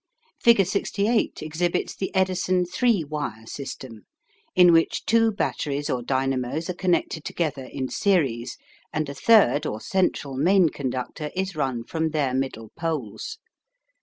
Fig. 68 exhibits the Edison three wire system, in which two batteries or dynamos are connected together in series, and a third or central main conductor is run from their middle poles.